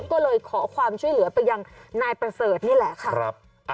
ก็เลยขอความช่วยเหลือไปยังนายประเสริฐนี่แหละค่ะ